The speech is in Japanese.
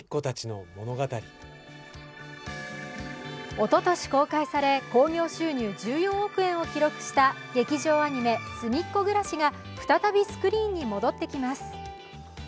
おととし公開され、興行収入１４億円を記録した劇場アニメ「すみっコぐらし」が再びスクリーンに戻ってきます。